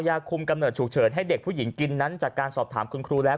ยาคุมกำเนิดฉุกเฉินให้เด็กผู้หญิงกินนั้นจากการสอบถามคุณครูแล้ว